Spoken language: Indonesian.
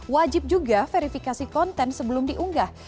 wajib juga verifikasi konten sebelum diunggah